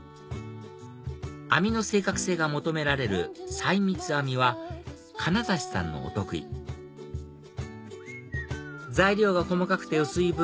編みの正確性が求められる細密編みは金指さんのお得意材料が細かくて薄い分